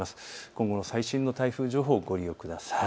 今後の最新の台風情報、ご利用ください。